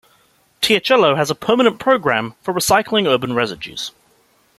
Teocelo has a permanent program for recycling urban residues.